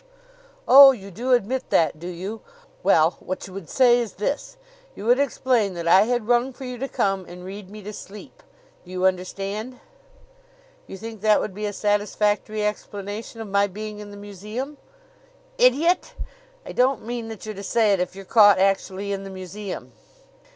"Oh, you do admit that, do you? Well, what you would say is this: You would explain that I had rung for you to come and read me to sleep. Do you understand?" "You think that would be a satisfactory explanation of my being in the museum?" "Idiot! I don't mean that you're to say it if you're caught actually in the museum.